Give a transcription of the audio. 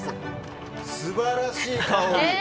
素晴らしい香り。